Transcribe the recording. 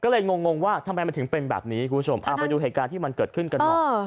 ก็เลยงงว่าทำไมมันถึงเป็นแบบนี้คุณผู้ชมเอาไปดูเหตุการณ์ที่มันเกิดขึ้นกันหน่อย